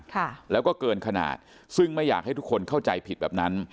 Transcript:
ค่ะแล้วก็เกินขนาดซึ่งไม่อยากให้ทุกคนเข้าใจผิดแบบนั้น